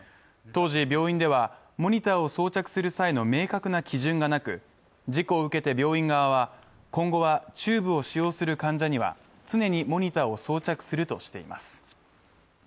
当時病院ではモニターを装着する際の明確な基準がなく事故を受けて病院側は今後はチューブを使用する患者には常にモニターを装着するとしています。